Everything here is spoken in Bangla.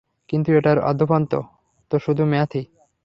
কিন্তু, এটার আদ্যোপান্ত তো শুধু ম্যাথই!